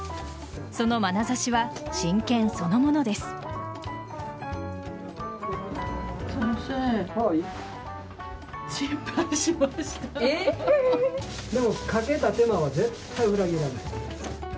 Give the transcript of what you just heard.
そのまなざしは真剣そのものです。